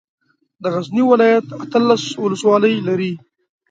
د غزني ولايت اتلس ولسوالۍ لري.